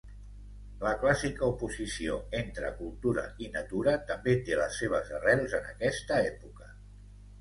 La clàssica oposició entre cultura i natura també té les seves arrels en aquesta època.